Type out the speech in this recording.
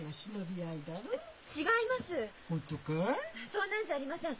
そんなんじゃありません。